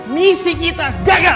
misinya adalah banyak